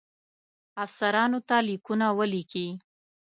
افسرانو ته لیکونه ولیکي.